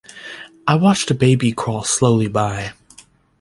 I watched a baby crawl slowly by.